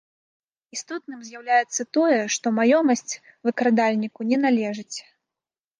Істотным з'яўляецца тое, што маёмасць выкрадальніку не належыць.